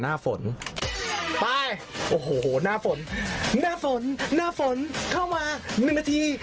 หน้าฝนไปโอ้โหหน้าฝนหน้าฝนหน้าฝนเข้ามาหนึ่งนาที